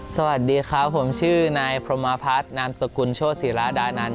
สวัสดีครับผมชื่อนายพรมพัฒนามสกุลโชศิราดานันท